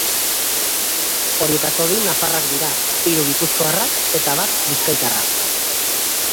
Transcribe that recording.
Horietako bi nafarrak dira, hiru gipuzkoarrak eta bat bizkaitarra.